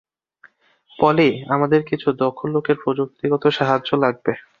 পলি, আমাদের কিছু দক্ষ লোকের প্রযুক্তিগত সাহায্য লাগবে।